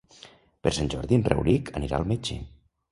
Per Sant Jordi en Rauric anirà al metge.